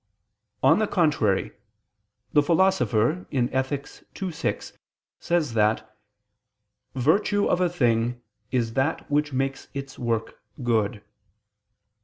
On the contrary, The Philosopher (Ethic. ii, 6) says that "virtue of a thing is that which makes its work good."